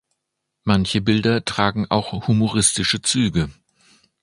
Manche Bilder tragen auch humoristische Züge.